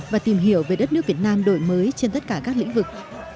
và tìm hiểu về đất nước việt nam đổi mới trên tất cả các lĩnh vực